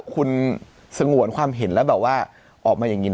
คุณสงวนความเห็นแล้วแบบว่าออกมาอย่างนี้นะ